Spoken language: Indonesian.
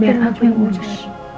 biar aku yang urus